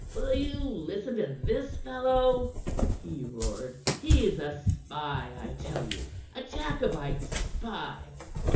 "Will ye listen to this fellow?" he roared. "He's a spy, I tell you a Jacobite spy!"